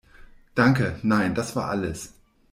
Danke, nein das war alles.